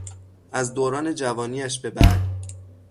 از دوران جوانیش به بعد